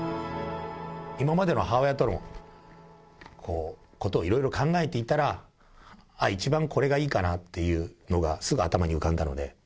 今までの母親とのことを、いろいろ考えていたら、一番これがいいかなっていうのが、すぐ頭に浮かんだので。